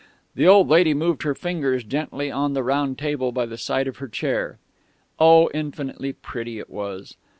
The old lady moved her fingers gently on the round table by the side of her chair,.. oh, infinitely pretty it was....